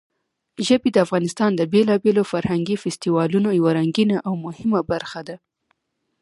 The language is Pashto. ژبې د افغانستان د بېلابېلو فرهنګي فستیوالونو یوه رنګینه او مهمه برخه ده.